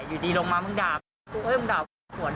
อยู่ดีลงมามึงด่าโอ๊ยมึงด่าโอ๊ย